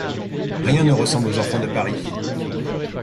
Rien ne ressemble aux enfants de Paris.